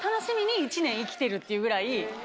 っていうぐらい。